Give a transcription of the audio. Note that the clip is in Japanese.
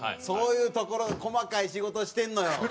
そういうところ細かい仕事してんのよ。